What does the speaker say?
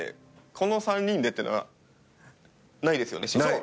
この３人でっていうのはないですよね。